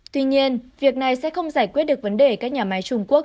tuy nhiên việc này sẽ không giải quyết được vấn đề các nhà máy trung quốc